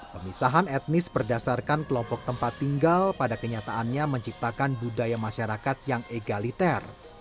pemisahan etnis berdasarkan kelompok tempat tinggal pada kenyataannya menciptakan budaya masyarakat yang egaliter